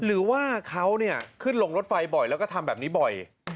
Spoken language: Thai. หรือว่าเขาขึ้นลงรถไฟบ่อยแล้วก็ทำแบบนี้บ่อย